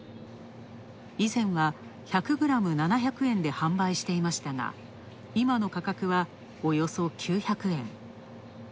以前は１００グラム、７００円で販売していましたが今の価格は、およそ９００円。